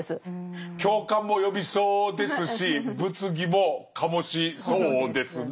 共感も呼びそうですし物議も醸しそうですね。